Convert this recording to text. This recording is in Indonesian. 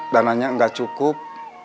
dananya enggak cukup